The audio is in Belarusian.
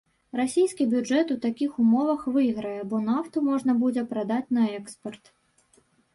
Расійскі бюджэт у такіх умовах выйграе, бо нафту можна будзе прадаць на экспарт.